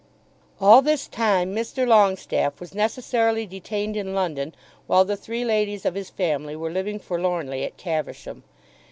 All this time Mr. Longestaffe was necessarily detained in London while the three ladies of his family were living forlornly at Caversham.